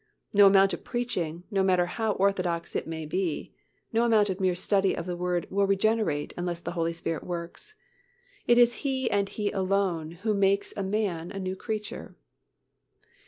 No amount of preaching, no matter how orthodox it may be, no amount of mere study of the Word will regenerate unless the Holy Spirit works. It is He and He alone who makes a man a new creature.